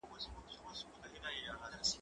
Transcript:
زه هره ورځ کتابونه ليکم!.!.